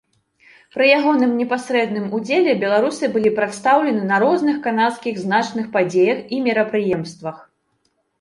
Пры ягоным непасрэдным удзеле беларусы былі прадстаўлены на розных канадскіх значных падзеях і мерапрыемствах.